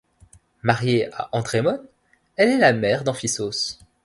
Mariée à Andrémon, elle est la mère d'Amphissos.